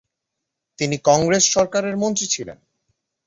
তিনি কংগ্রেস সরকারের মন্ত্রী ছিলেন।